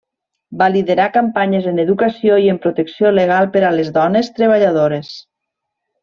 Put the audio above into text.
Va liderar campanyes en educació i en protecció legal per a les dones treballadores.